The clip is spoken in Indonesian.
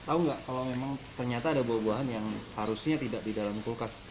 tahu nggak kalau memang ternyata ada buah buahan yang harusnya tidak di dalam kulkas